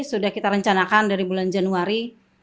sudah kita rencanakan dari bulan januari